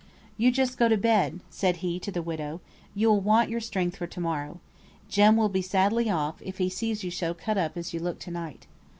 "You just go to bed," said he to the widow. "You'll want your strength for to morrow. Jem will be sadly off, if he sees you so cut up as you look to night.